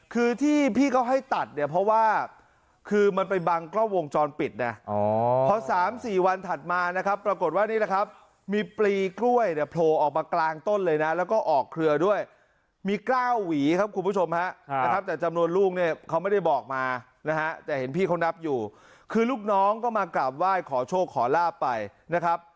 คือที่พี่เขาให้ตัดเนี่ยเพราะว่าคือมันไปบังกล้องวงจรปิดนะพอ๓๔วันถัดมานะครับปรากฏว่านี่นะครับมีปลีกล้วยเนี่ยโผล่ออกมากลางต้นเลยนะแล้วก็ออกเครือด้วยมี๙หวีครับคุณผู้ชมฮะนะครับแต่จำนวนลูกเนี่ยเขาไม่ได้บอกมานะฮะแต่เห็นพี่เขานับอยู่คือลูกน้องก็มากราบไหว้ขอโชคขอลาบไปนะครับ